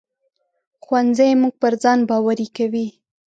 ښوونځی موږ پر ځان باوري کوي